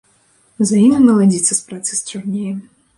За ім і маладзіца з працы счарнее.